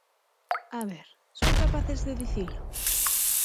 A ver, ¿son capaces de dicilo?